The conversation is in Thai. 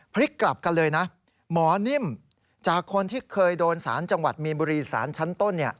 พลิกกลับกันเลยนะหมอนิ่มจากคนที่เคยโดนสารจังหวัดมีนบุรีสารชั้นต้น